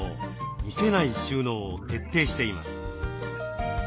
見せない収納を徹底しています。